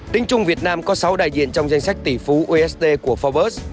tính chung việt nam có sáu đại diện trong danh sách tỷ phú usd của forbes